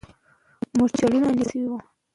مرچلونه نیول سوي وو.